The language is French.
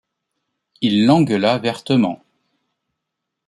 Il l’engueula vertement.